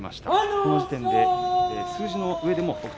この時点で数字のうえでも北勝